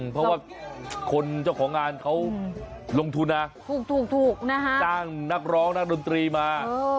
เพราะว่าคนเจ้าของงานเขาลงทุนนะถูกนะฮะจ้างนักร้องนักดนตรีมา